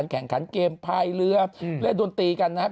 การเกมภายเรือเล่นดนตรีกันนะครับ